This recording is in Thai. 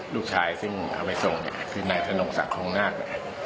ลูกชายซึ่งเอาไปส่งเนี่ยคือนายธนงศักดิ์คงนาคนะครับ